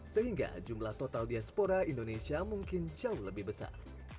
sehingga jumlah total diaspora indonesia mungkin jauh lebih besar